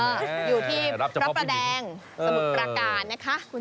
อยู่ที่พระประแดงสมุทรประการนะคะ